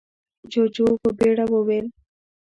جُوجُو په بيړه وويل: